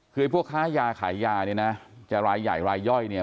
คือพวกค้ายาขายยาเนี่ยนะจะรายใหญ่รายย่อยเนี่ย